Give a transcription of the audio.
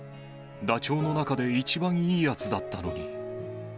ダチョウの中で一番いいやつだっ